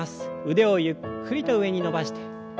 腕をゆっくりと上に伸ばして。